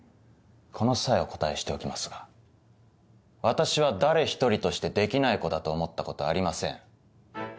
この際お答えしておきますが私は誰一人としてできない子だと思ったことはありません。